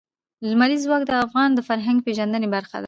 لمریز ځواک د افغانانو د فرهنګي پیژندنې برخه ده.